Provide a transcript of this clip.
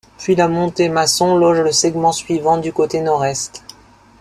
Puis la Montée Masson loge le segment suivant du côté Nord-Est.